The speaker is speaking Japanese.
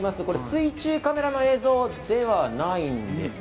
水中カメラの映像ではないんです。